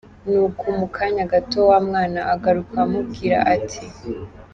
Ni uko mu kanya gato wa mwana agaruka amubwira ati.